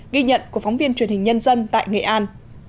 ghi nhận của phóng viên truyền hình nhân dân tại nghệ an